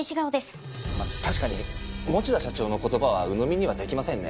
まあ確かに持田社長の言葉はうのみにはできませんね。